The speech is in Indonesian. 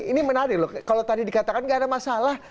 ini menarik loh kalau tadi dikatakan gak ada masalah